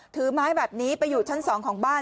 ถือไม้แบบนี้ไปอยู่ชั้น๒ของบ้าน